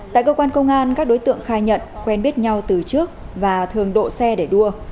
tại cơ quan công an các đối tượng khai nhận quen biết nhau từ trước và thường độ xe để đua